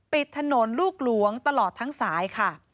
ปิดถนนลูกหลวงตลอดทั้งสายค่ะ